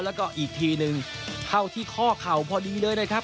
แล้วก็อีกทีหนึ่งเข้าที่ข้อเข่าพอดีเลยนะครับ